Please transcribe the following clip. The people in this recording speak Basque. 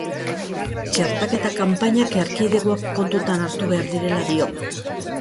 Txertaketa kanpainak erkidegoak kontutan hartu behar direla dio.